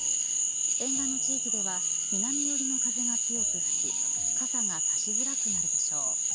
沿岸の地域では南寄りの風が強く吹き傘が差しづらくなるでしょう。